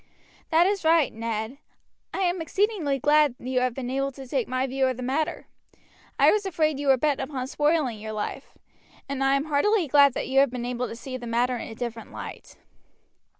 "That is right, Ned. I am exceedingly glad you have been able to take my view of the matter. I was afraid you were bent upon spoiling your life, and I am heartily glad that you have been able to see the matter in a different light."